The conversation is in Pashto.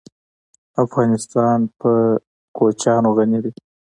افغانستان په کوچیان غني دی.